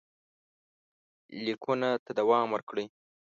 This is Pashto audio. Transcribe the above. لیکونو ته دوام ورکړئ.